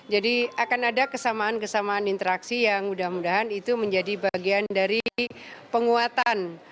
jadi akan ada kesamaan kesamaan interaksi yang mudah mudahan itu menjadi bagian dari penguatan